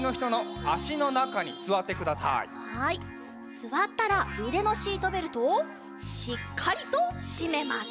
すわったらうでのシートベルトをしっかりとしめます。